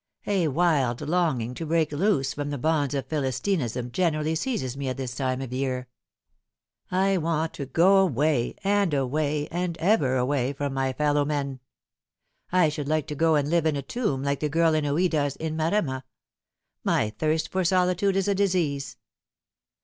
A wild longing to break loose from the bonds of Philistinism generally seizes me at this time of the year. I want to go away, and away, and ever away from my fellow men. I should like to go and live in a tomb like the girl in Ouida's In Maremma. My thirst for solitude is a disease."